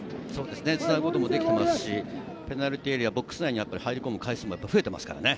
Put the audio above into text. つなぐこともできていますし、ペナルティーエリアボックス内に入り込む回数も増えていますからね。